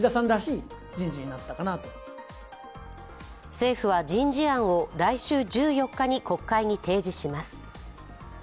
政府は人事案を来週１４日に国会に提示します。